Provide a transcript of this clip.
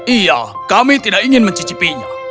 iya kami tidak ingin mencicipinya